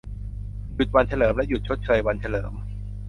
หยุดวันเฉลิม และ หยุดชดเชยวันเฉลิม